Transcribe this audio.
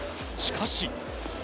しかし。